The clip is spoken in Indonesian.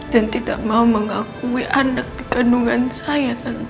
dan tidak mau mengakui anak dikandungan saya tante